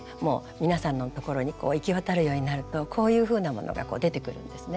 皆さんのところに行き渡るようになるとこういうふうなものが出てくるんですね。